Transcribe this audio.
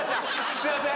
すいません